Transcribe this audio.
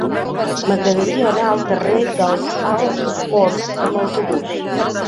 M'agradaria anar al carrer dels Alts Forns amb autobús.